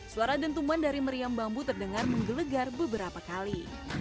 suara dentuman dari meriam bambu terdengar menggelegar beberapa kali